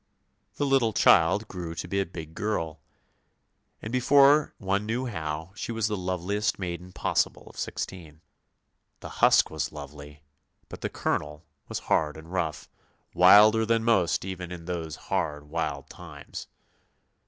The little child grew to be a big girl, and before one knew how, she was the loveliest maiden possible of sixteen. The husk was lovely, but the kernel was hard and rough; wilder than most, even in those hard, wild times.